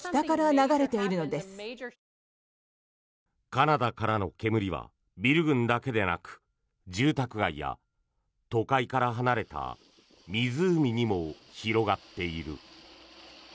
カナダからの煙はビル群だけでなく、住宅街や都会から離れた湖にも広がっている。